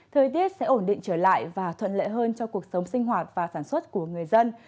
thời tiết sẽ ổn định trở lại và thuận lợi hơn cho cuộc sống sinh hoạt và sản xuất của người dân